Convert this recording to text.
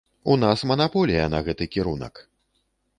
У нас манаполія на гэты кірунак!